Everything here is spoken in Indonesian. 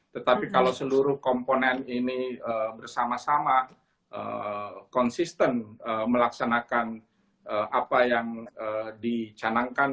tetapi kalau seluruh komponen ini bersama sama konsisten melaksanakan apa yang dicanangkan